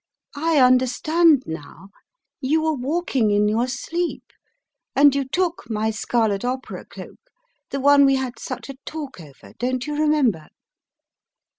I understand now, you were walking in your sleep, and you took my scarlet opera cloak — the one we had had such a talk over; don't you remember?